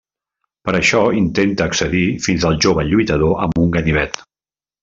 Per a això intenta accedir fins al jove lluitador amb un ganivet.